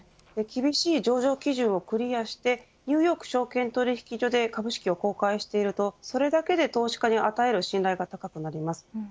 厳しい上場基準をクリアしてニューヨーク証券取引所で株式を公開するとそれだけ投資家に与える信頼が高くなります。